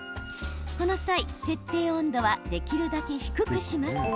この際、設定温度はできるだけ低くします。